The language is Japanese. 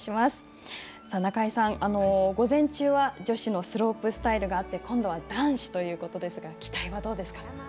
中井さん、午前中は女子のスロープスタイルがあって今度は男子ということですが期待はどうですか？